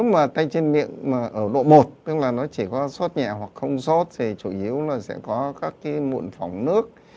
cái trên miệng mà ở độ một tức là nó chỉ có xót nhẹ hoặc không xót thì chủ yếu là sẽ có các cái mụn phóng nước